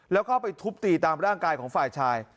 แล้วเข้าไปทุบตีตามร่างกายของฝ่ายชาย